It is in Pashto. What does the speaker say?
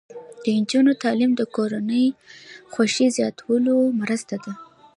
د نجونو تعلیم د کورنۍ خوښۍ زیاتولو مرسته ده.